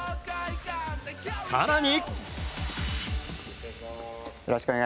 更に。